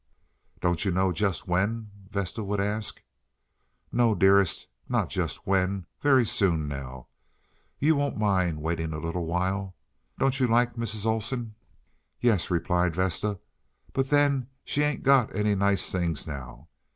"Don't you know just when?" Vesta would ask. "No, dearest, not just when. Very soon now. You won't mind waiting a little while. Don't you like Mrs. Olsen?" "Yes," replied Vesta; "but then she ain't got any nice things now.